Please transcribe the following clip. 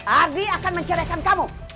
ardi akan mencerai kamu